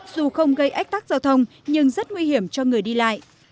dù không gây ách tắc giao thông nhưng rất nguy hiểm cho người đi lại